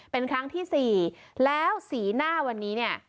เป็นครั้งที่สี่แล้วสีหน้าวันนี้เนี่ย